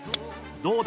どうだ？